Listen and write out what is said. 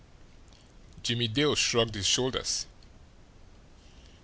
Jimmie Dale shrugged his shoulders.